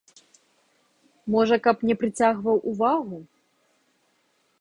Можа, каб не прыцягваў увагу.